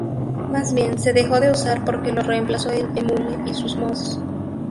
Más bien se dejó de usar porque lo reemplazó el eMule y sus Mods.